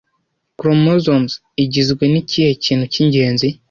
Chromosomes igizwe nikihe kintu cyingenzi